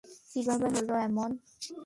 কীভাবে হলো এমন?